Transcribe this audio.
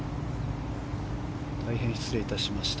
大変失礼いたしました。